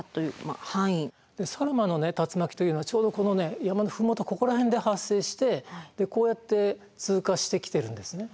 佐呂間のね竜巻というのはちょうど山の麓ここら辺で発生してこうやって通過してきてるんですね。